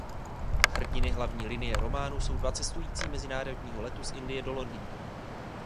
Hrdiny hlavní linie románu jsou dva cestující mezinárodního letu z Indie do Londýna.